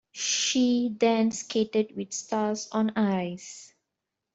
She then skated with Stars on Ice.